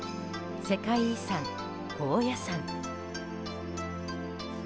世界遺産・高野山。